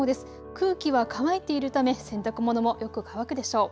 空気は乾いているため洗濯物もよく乾くでしょう。